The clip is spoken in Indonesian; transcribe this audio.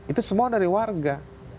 itu semua dari warga